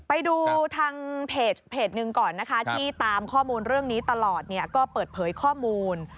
ไปดูทางเพจหนึ่งก่อนนะคะที่ตามข้อมูลเรื่องนี้ตลอดเนี่ยก็เปิดเผยข้อมูล